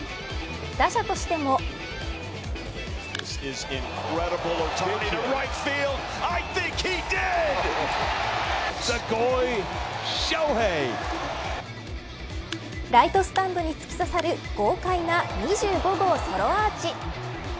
打者としてもライトスタンドに突き刺さる豪快な２５号ソロアーチ。